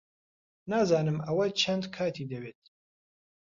نازانم ئەوە چەند کاتی دەوێت.